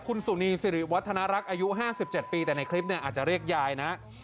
คุณสุนีสิริวัฒนรักษ์อายุ๕๗ปีแต่ในคลิปเนี่ยอาจจะเรียกยายนะ